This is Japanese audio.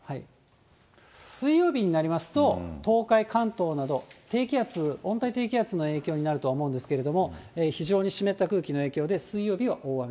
水曜日になりますと、東海、関東など、低気圧、温帯低気圧の影響になるとは思うんですけれども、非常に湿った空気の影響で水曜日は大雨。